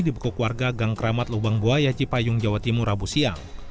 dibekuk warga gang kramat lubangboa yajipayung jawa timur rabu siang